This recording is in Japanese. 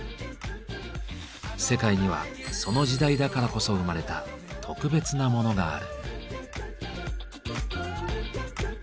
世界にはその時代だからこそ生まれた特別なモノがある。